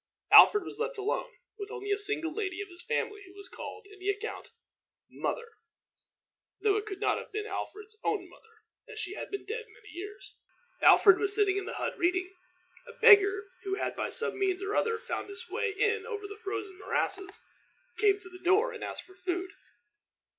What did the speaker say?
Alfred was left alone, with only a single lady of his family, who is called in the account "Mother," though it could not have been Alfred's own mother, as she had been dead many years. Alfred was sitting in the hut reading. A beggar, who had by some means or other found his way in over the frozen morasses, came to the door, and asked for food.